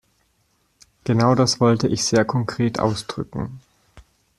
Genau das wollte ich sehr konkret ausdrücken.